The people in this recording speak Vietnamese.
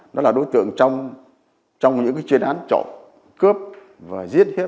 nó là đối tượng trong những cái chuyên án trộm cướp và giết hiếp